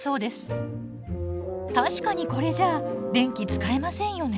確かにこれじゃ電気使えませんよね。